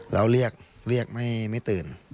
แล้วเรียกไม่ตื่น